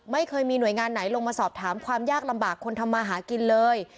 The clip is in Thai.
ไม่เคยมีหน่วยงานไหนลงมาสอบถามความยากลำบากคนทำมาหากินเลย